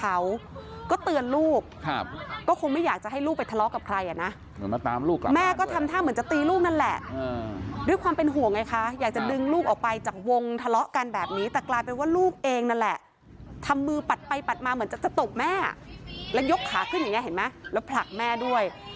แม่ปล่อยแม่ปล่อยแม่ปล่อยแม่ปล่อยแม่ปล่อยแม่ปล่อยแม่ปล่อยแม่ปล่อยแม่ปล่อยแม่ปล่อยแม่ปล่อยแม่ปล่อยแม่ปล่อยแม่ปล่อยแม่ปล่อยแม่ปล่อยแม่ปล่อยแม่ปล่อยแม่ปล่อยแม่ปล่อยแม่ปล่อยแม่ปล่อยแม่ปล่อยแม่ปล่อยแม่ปล่อยแม่ปล่อยแม่ปล่อยแม่ปล